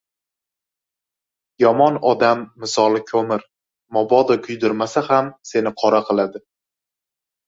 Yomon odam misoli ko‘mir: mabodo kuydirmasa ham seni qora qiladi.